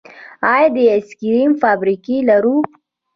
آیا د آیس کریم فابریکې لرو؟